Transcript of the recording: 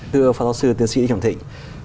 thưa pháp giáo sư tiến sĩ lý trọng thịnh